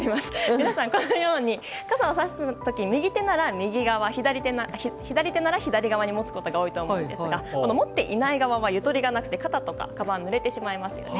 皆さん、このように傘をさしたら右手なら右側、左手なら左側に持つことが多いと思いますが持っていない側はゆとりがなくて肩とかかばんがぬれてしまいますよね。